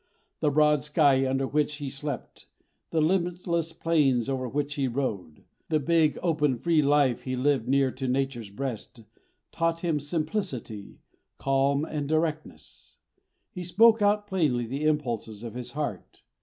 The broad sky under which he slept, the limitless plains over which he rode, the big, open, free life he lived near to Nature's breast, taught him simplicity, calm, directness. He spoke out plainly the impulses of his heart.